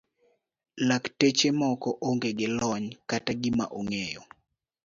Lakteche moko onge gi lony kata gima ong'eyo.